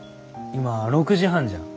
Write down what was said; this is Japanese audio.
今６時半じゃ。